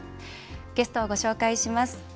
ゲストをご紹介します。